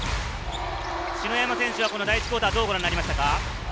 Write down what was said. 篠山選手は第１クオーターをどうご覧になりましたか？